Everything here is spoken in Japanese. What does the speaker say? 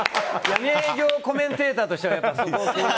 闇営業コメンテーターとしては。